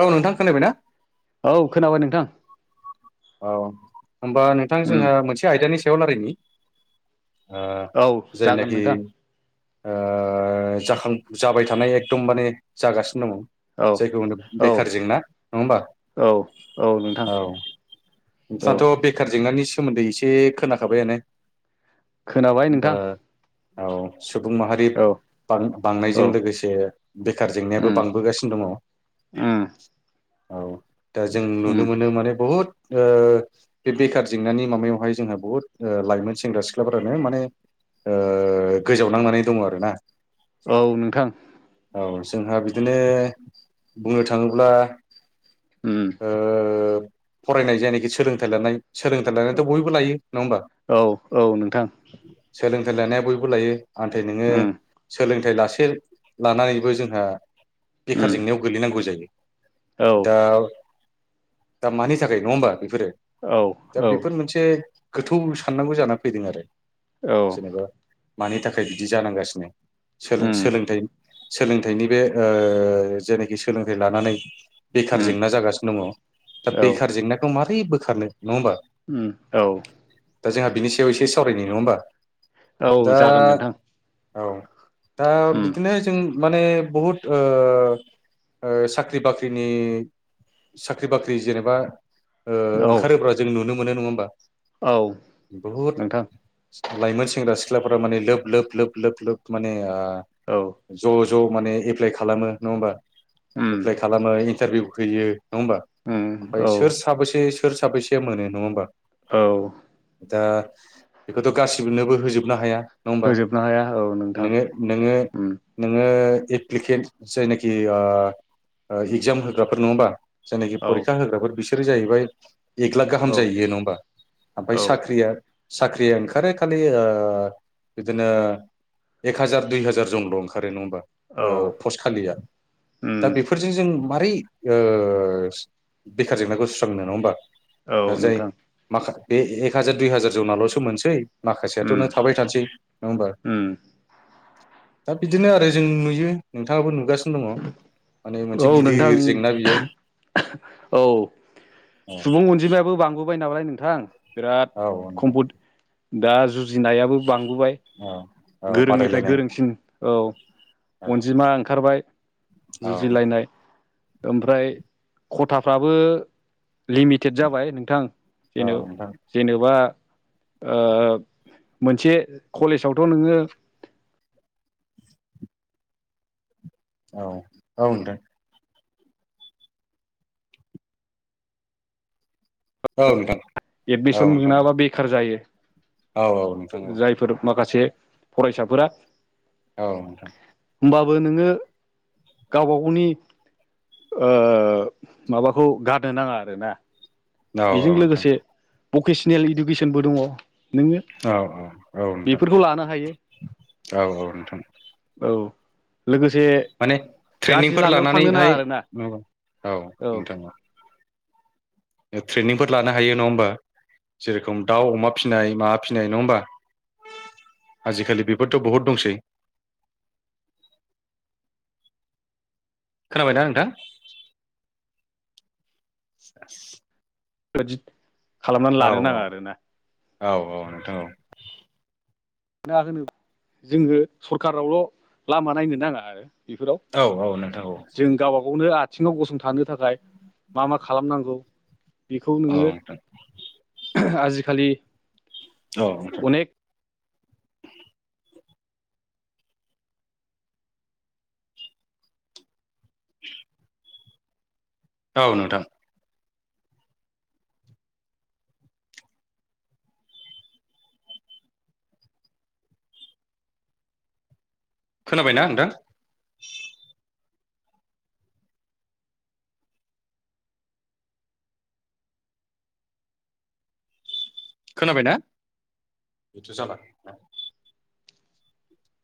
औ नोंथां खोनायबाय ना औ खोनाबाय नोंथां औ होमबा नोंथां उम जोंहा मोनसे आयदानि सायाव लारायनि ओ औ जागोन जायनाखि नोंथां ओ जाखां जाबाय थानाय एकदम माने जागासिनो दङ औ जायखौ होनो औ बेखार जेंना नङा होमबा औ औ औ नोंथाङाथ' बेखार जेंनानि सोमोन्दै इसे खोनाखाबायानो खोनाबाय होमबा नोंथां औ सुबुं माहारि औ औ बां-बांनायजों लोगोसे बेखार जेंनायाबो उम बांबोगासिनो दङ उम औ दा जों उम नुनो मोनो माने बहुद ओ बे बेखार जेंनानि माबायावहाय जोंहा बुहुत ओ लाइमोन सेंग्रा सिख्लाफोरानो माने ओ गोजाव नांनानै दङ आरो ना औ नोंथां । औ जोंहा बिदिनो बुंनो थाङोब्ला उम ओ फरायनाय जायनाखि सोलोंथाइ लानाय सोलोंथाइ लानानैथ' बयबो लायो नङा होमबा औ औ नोंथां थाय लानाया बयबो लायो नथाय नोङो उम सोलोंथाइ लासे लानानैबो जोंहा बेखार उम जेंनायाव गोलैनांगौ जायो औ दा दा मानि नि थाखाय नङा होमबा बेफोरो औ दा औ बेफोर मोनसे गोथौ साननांगौ जानानैा फैदों आरो औ जेनेबा मानि थाखाय बिदि जानांगासिनो सोलों उम सोलोंथाइ सोलोंथाइनि बे ओ जेनोखि सोलोंथाइ लानानै बेखार उम जेंना जागासिनो दङ दा औ जेंनायखौ मारै बोखारनो नङा होमबा उम औ दा जोंहा बिनि सायाव एसे सावरायनि नङा होमबा औ दा जागोन नोंथां औ दा उम बिदिनो जों माने बुहुत ओ ओ साख्रि बाख्रिनि साख्रि बाख्रि जेनेबा ओ औ ओंखारोब्ला जों नुनो मोनो नङा होमबा औ बुहुद नोंथां । लाइमोन सेंग्रा सिख्लाफोरा माने लोब लोब लोब लोब लोब माने औ ओ ज' ज' माने एप्लाइ खालामो नङा होमबा उम एप्लाइ खालामो इन्टारभिउ होयो नङा होमबा उम ओमफ्राय औ सोर साबैसे सोर साबैसेया मोनो नङा होमबा औ । दा बेखौथ' गासिनोबो होजोबनो हाया । नङा होमबा होजोबनो हाया औ नोंथां नोङो नोङो उम नोङो एप्लिकेन्ट जायनाखि ओ ओ इगजाम होग्राफोर नङाबा जायनाखि औ परि फोर बिसोरो जाहैबाय एक लाख गाहाम औ जाहैयो नङा होमबा ओमफ्राय औ साख्रिया साख्रि ओंखारो खालि ओ बिदिनो एक हाजार दुइ हाजार जनल' ओंखारो नङा होमबा औ पस्ट खालिया दा उम बेफोरजों जों मारै ओ बेखार जेंनाखौ सुस्रांनो नङा होमबा दा औ जाय नोंथां माखा बे एक हाजार दुइ हाजार जौनाल'सो मोनसै माखासेयाथ' उम नों थाबाय थानोसै नङा होमबा उम दा बिदिनो आरो जों नुयो नोंथाङाबो नु नुगासिनो दङ' माने मोनसे औ नोंथां गिदिर जेंना बियो औ औ सुबुं अनजिमायाबो बांबोबाय नालाय नोंथां बिराद औ नोंथां कमपत दा जुजिनायाबो बांबोबाय औ औ गोरोंनिफ्राय बादायलायनाय गोरोंसिन औ औ अनजिमा ओंखारबाय जुजिलायनाय ओमफ्राय खथाफ्राबो लिमिटेड जाबाय नोंथां औ जेन' नोंथां जेन'बा ओमोनसे कलेजावथ' नोङो औ औ होनदों औ नोंथां । एदमिसन मोनाबा बेखार जायो । औ औ नोंथां जायफोर माखासे फरायसाफोरा औ नोंथां । होनबाबो नोङो गावबा गावनि माबाखौ गारनो नाङा आरोना औ - औ बेजों नोंथां। लोगोसे भकेसनेल इडुकेसनबो दङ नोङो औ नोंथां बेफोरखौ लानो हायो। औ - औ नोंथां। औ लोगोसे माने गाज्रि ट्रेनिंफोर लामायाव थांनो नाङा लानानैहाय आरोना नोंगौ औ नोंथां औ। ट्रेनिंफोर लानो हायो नङा होमबा। जे रखम दाउ अमा फिसिनाय माबा फिसिनाय नङा होमबा। आजि खालि बेफोरथ' बहुद दंसै। खोनाबायना नोंथां? बेबायदि खालामनानै औ लानो औ नाङा आरोना। औ औ औ। मा होनो जोङो सरखारावल' लामा नायनो नाङा आरो। बेफोराव औ औ नोंथां औ जों गावबा गाव बेनो आथिङाव गसंथानो थाखाय मा मा खालामनांगौ? बेखौ औ नोङो नोंथां आजि खालि औ नोंथां। [inaudible] औ नोंथां। खोनाबायना नोंथां? खोनाबायना बेथ' जाला।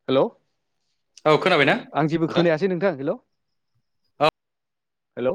हेलौ औ खोनाबायना आं जेबो खोनायासै नोंथां हेल'। औ हेल'।